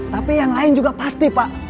tapi yang lain juga pasti pak